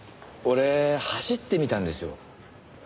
俺走ってみたんですよ。